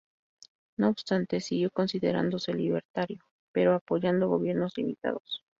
No obstante siguió considerándose libertario pero apoyando gobiernos limitados.